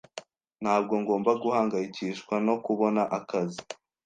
Ntabwo ngomba guhangayikishwa no kubona akazi.